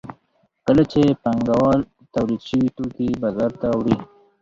کله چې پانګوال تولید شوي توکي بازار ته وړي